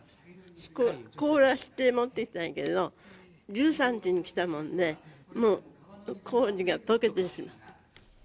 凍らせて持ってきたんだけど、１３日に来たもんで、もう氷がとけてしまった。